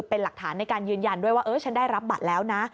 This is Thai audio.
เป็นหลักฐานในการยืนยันด้วยว่าเออฉันได้รับบัตรแล้วนะ